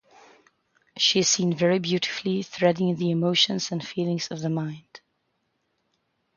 She is seen very beautifully threading the emotions and feelings of the mind.